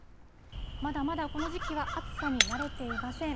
まだまだこの時期は暑さに慣れていません。